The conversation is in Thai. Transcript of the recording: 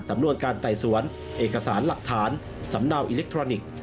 สำนวนการไต่สวนเอกสารหลักฐานสำเนาอิเล็กทรอนิกส์